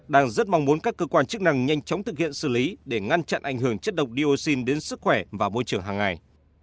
đang rất mong muốn các cơ quan chức năng nhanh chóng thực hiện xử lý để ngăn chặn ảnh hưởng chất độc dioxin đến sức khỏe và môi trường hàng ngày